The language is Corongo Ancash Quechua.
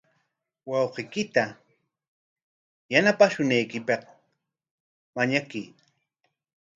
Wawqiykita yanapashunaykipaq mañakuy.